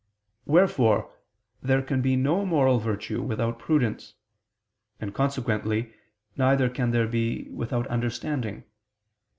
Wherefore there can be no moral virtue without prudence: and consequently neither can there be without understanding.